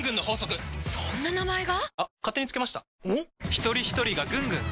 ひとりひとりがぐんぐん！